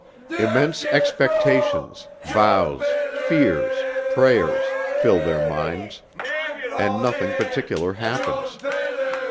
Immense expectations, vows, fears, prayers, fill their minds; and nothing particular happens.